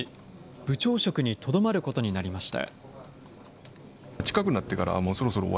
部長職にとどまることになりました。